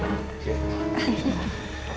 makasih banyak ya